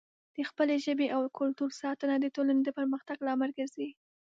د خپلې ژبې او کلتور ساتنه د ټولنې د پرمختګ لامل ګرځي.